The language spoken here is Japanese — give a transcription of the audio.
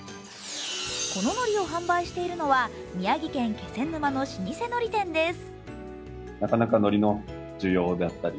こののりを販売しているのは宮城県気仙沼の老舗のり店です。